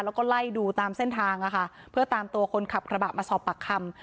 แล้วก็ไล่ดูตามเส้นทางเพื่อตามตัวคนขับกระบะมาสอบปากคำ